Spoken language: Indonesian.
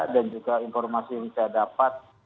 dan juga informasi yang saya dapat